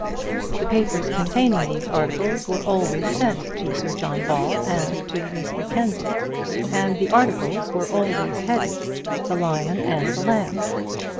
The papers containing these articles were always sent to Sir John Ball and to Miss Mackenzie, and the articles were always headed, "The Lion and the Lamb."